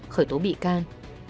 khởi tố bị can